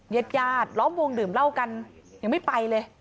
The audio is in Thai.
เย็ดร้อมวงดื่มเหล้ากันยังไม่ไปเลย